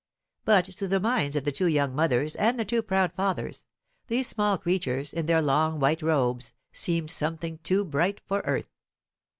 But to the minds of the two young mothers and the two proud fathers, these small creatures in their long white robes seem something too bright for earth.